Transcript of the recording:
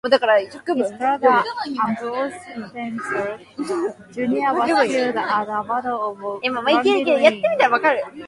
His brother, Ambrose Spencer, Junior was killed at the Battle of Lundy's Lane.